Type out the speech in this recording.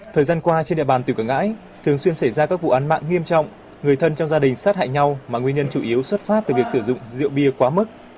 thời gian qua trên địa bàn tỉnh quảng ngãi thường xuyên xảy ra các vụ án mạng nghiêm trọng người thân trong gia đình sát hại nhau mà nguyên nhân chủ yếu xuất phát từ việc sử dụng rượu bia quá mức